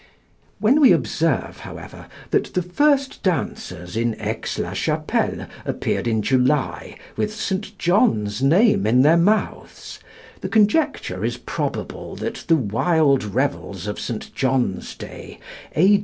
When we observe, however, that the first dancers in Aix la Chapelle appeared in July with St. John's name in their mouths, the conjecture is probable that the wild revels of St. John's day, A.